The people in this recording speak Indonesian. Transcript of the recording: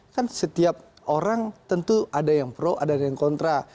kan setiap orang tentu ada yang pro ada yang kontra